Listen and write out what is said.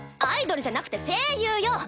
アイドルじゃなくて声優よ！